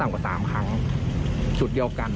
นี่ค่ะ